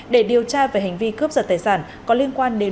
để điều tra về hành vi cướp giật tài sản